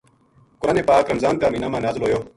قرآن پاک رمضان کا مہینہ ما نازل ہویو۔